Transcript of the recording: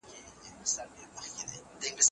څېړنه د نویو معلوماتو لپاره اړینه ده.